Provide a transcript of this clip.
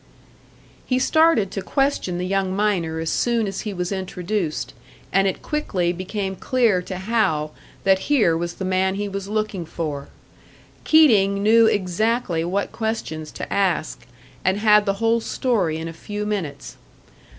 He started to question the young miner as soon as he was introduced, and it quickly became clear to Hal that here was the man he was looking for. Keating knew exactly what questions to ask, and had the whole story in a few minutes.